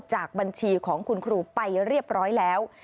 จากบัญชีของคุณครูไปเรียบร้อยแล้ว